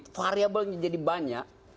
dan ada banyak contoh yang menjadi banyak